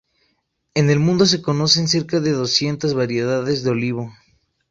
En el mundo se conocen cerca de doscientas variedades de olivo.